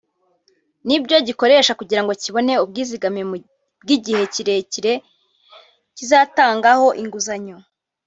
nibyo gikoresha kugirango kibone ubwizigame bw’igihe kirekire kizatangaho inguzanyo